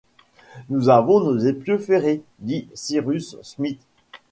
Nous avons nos épieux ferrés, dit Cyrus Smith